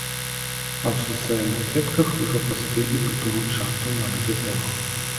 А ў сацыяльных сетках ужо паспелі прыдумаць жартаў на гэту тэму.